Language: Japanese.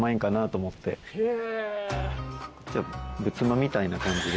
こっちは仏間みたいな感じで。